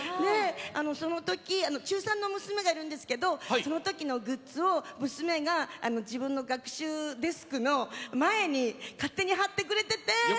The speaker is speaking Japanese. その時中３の娘がいるんですけどそのときのグッズを娘が自分の学習机の前に、勝手に貼ってくれてて。